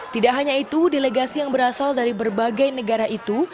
tidak hanya itu delegasi yang berasal dari berbagai negara itu